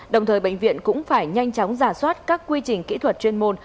đồng thời bệnh viện cũng phải nhanh chóng giả soát các quy trình kỹ thuật chuyên môn